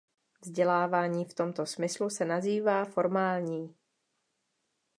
Vzdělávání v tomto smyslu se nazývá formální.